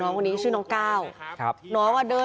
แล้วก็เลยแบบเหมือนเข้าไปคุยกับพนักงานด้วย